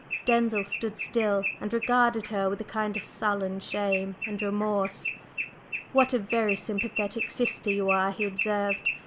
Denzil stood still and regarded her with a kind of sullen shame and remorse. "What a very sympathetic sister you are!" he observed.